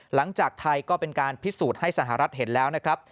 หลังจากไทยก็เป็นการพิสูจน์ให้สหรัฐเห็นแล้วนะครับ